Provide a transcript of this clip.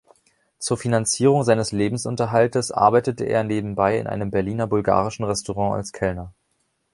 Zur Finanzierung seines Lebensunterhaltes arbeitete er nebenbei in einem Berliner bulgarischen Restaurant als Kellner.